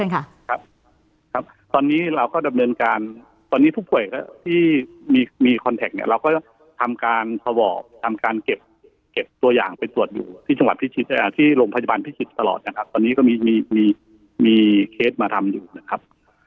ครับครับตอนนี้เราก็ดำเนินการตอนนี้ผู้ป่วยที่มีคอนแท็กเนี่ยเราก็ทำการสวอปทำการเก็บตัวอย่างไปตรวจอยู่ที่จังหวัดพิชิตที่โรงพยาบาลพิจิตรตลอดนะครับตอนนี้ก็มีมีเคสมาทำอยู่นะครับ